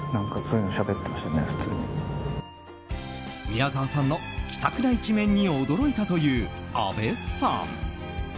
宮沢さんの気さくな一面に驚いたという阿部さん。